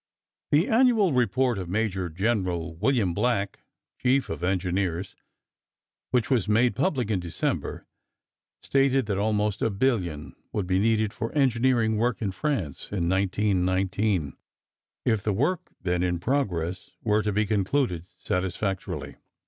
The annual report of Major General William Black, chief of engineers, which was made public in December, stated that almost a billion would be needed for engineering work in France in 1919, if the work then in progress were to be concluded satisfactorily.